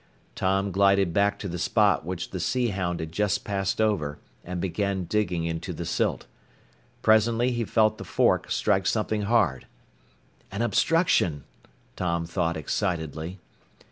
Tom glided back to the spot which the Sea Hound had just passed over and began digging into the silt. Presently he felt the fork strike something hard. "An obstruction!" Tom thought excitedly.